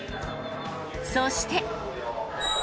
そして。